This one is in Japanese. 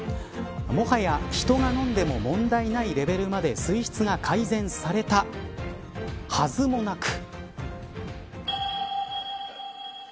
もはや人が飲んでも問題ないレベルまで水質が改善されたはずもなく。